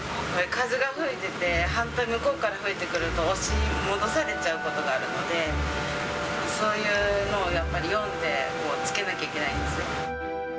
風が吹いてて、反対の向こうから吹いてくると、押し戻されちゃうことがあるので、そういうのをやっぱり、読んで着けなきゃいけないんですよ。